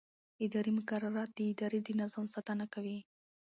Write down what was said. اداري مقررات د ادارې د نظم ساتنه کوي.